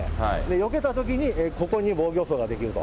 よけたときにここに防御創が出来ると。